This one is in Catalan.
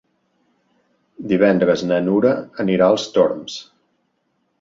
Divendres na Nura anirà als Torms.